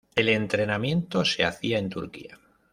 El entrenamiento se hacía en Turquía.